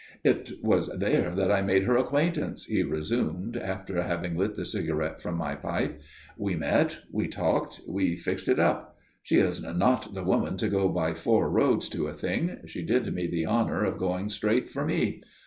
"It was there that I made her acquaintance," he resumed, after having lit the cigarette from my pipe. "We met, we talked, we fixed it up. She is not the woman to go by four roads to a thing. She did me the honour of going straight for me.